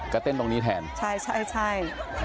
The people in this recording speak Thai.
ก็เต้นตรงนี้แทนใช่ใช่